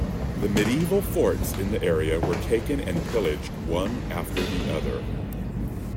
The medieval forts in the area were taken and pillaged one after the other.